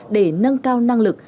để nâng cao năng lực